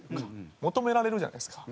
求められるじゃないですか。